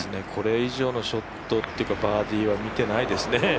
これ以上のショットというかバーディーは見てないですね。